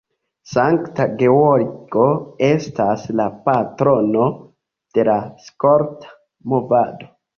Sankta Georgo estas la patrono de la skolta movado.